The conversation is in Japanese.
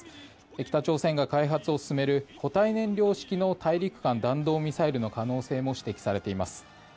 北朝鮮が開発を進める固体燃料式の大陸間弾道ミサイルの可能性も指摘されています。